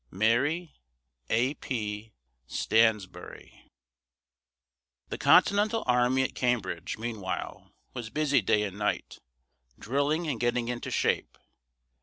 MARY A. P. STANSBURY. The Continental army at Cambridge, meanwhile, was busy day and night, drilling and getting into shape.